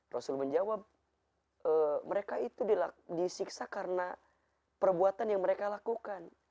rasul menjawab mereka itu disiksa karena perbuatan yang mereka lakukan